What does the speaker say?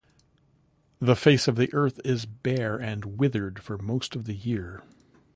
The face of the earth is bare and withered for most of the year.